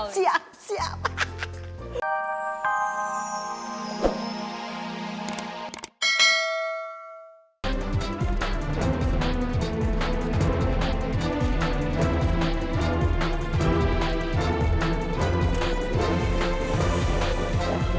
siapa siapa siapa